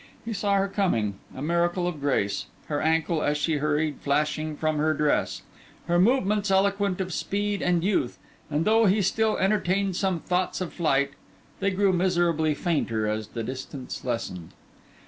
He saw her coming, a miracle of grace; her ankle, as she hurried, flashing from her dress; her movements eloquent of speed and youth; and though he still entertained some thoughts of flight, they grew miserably fainter as the distance lessened.